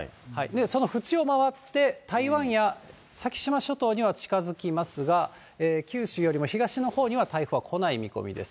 その縁を回って、台湾や先島諸島には近づきますが、九州よりも東のほうには台風は来ない見込みです。